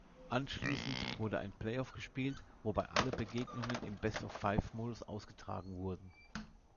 Anschließend wurde ein Play-off gespielt, wobei alle Begegnungen im best of five-Modus ausgetragen wurden.